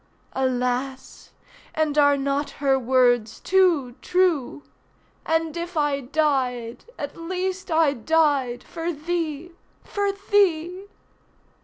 Alas! and are not her words too true? "And if I died, at least I died For thee—for thee."